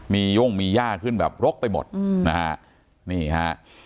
มีโย่งมียากขึ้นแบบรกไปหมดนะฮะ